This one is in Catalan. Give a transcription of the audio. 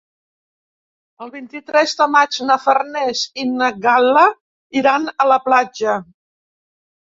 El vint-i-tres de maig na Farners i na Gal·la iran a la platja.